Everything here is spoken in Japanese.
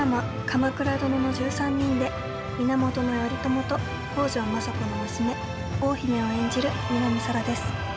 「鎌倉殿の１３人」で源頼朝と北条政子の娘大姫を演じる南沙良です。